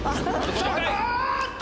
あーっと！